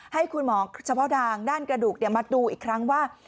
ให้คุณหมอเฉพาะทางด้านกระดูกมาดูอีกครั้งว่า